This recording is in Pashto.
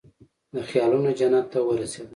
د خیالونوجنت ته ورسیدم